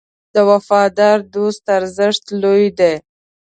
د وفادار دوست ارزښت لوی دی.